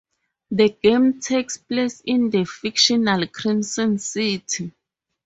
The game takes place in the fictional Crimson City.